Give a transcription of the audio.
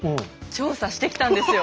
調査してきたんですよ。